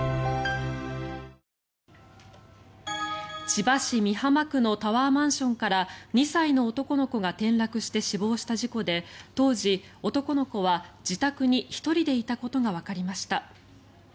千葉市美浜区のタワーマンションから２歳の男の子が転落して死亡した事件で当時、男の子は自宅に１人でいたことがわかりました。